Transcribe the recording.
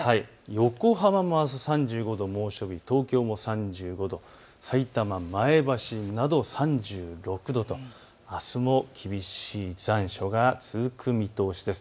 横浜あす３５度、猛暑日、東京も３５度、さいたま、前橋など３６度、あすも厳しい残暑が続く見通しです。